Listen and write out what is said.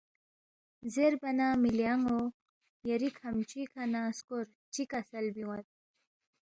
زیربا نہ ، ”مِلی ان٘و یری کھمچُوی کھہ ن٘ا سکور چِہ کسل بیون٘ید؟“